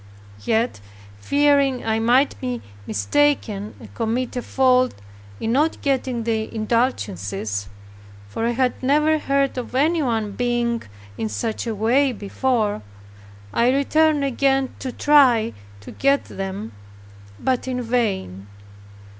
Yet, fearing I might be mistaken, and commit a fault in not getting the indulgences, for I had never heard of anyone being in such a way before, I returned again to try to get them, but in vain.